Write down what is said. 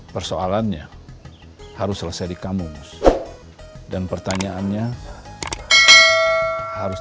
persoalannya harus selesai di kamus dan pertanyaannya harus